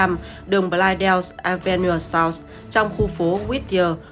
ở hai hai trăm linh đường blydell avenue south trong khu phố whitney